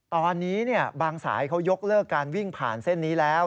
ตอนนี้บางสายเขายกเลิกการวิ่งผ่านเส้นนี้แล้ว